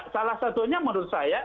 salah satunya menurut saya